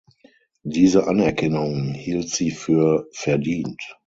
Diese Anerkennung hielt sie für verdient.